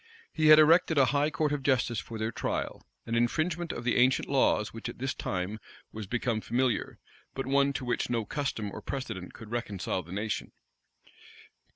He had erected a high court of justice for their trial; an infringement of the ancient laws which at this time was become familiar, but one to which no custom or precedent could reconcile the nation.